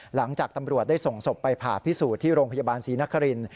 หลังจากตำรวจได้ส่งศพไปผ่าพิสูจน์ที่โรงพยาบาลศรีนคริน